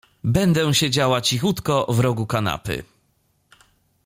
Będę siedziała cichutko w rogu kanapy.